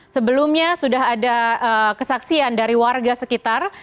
sebelumnya sudah ada kesaksian dari warga sekitar